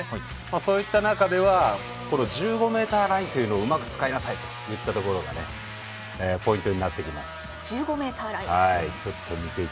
そういった中では１５ｍラインというのをうまく使いなさいといったところポイントになってきます。